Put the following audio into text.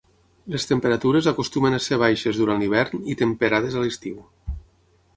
Les temperatures acostumen a ser baixes durant l'hivern i temperades a l'estiu.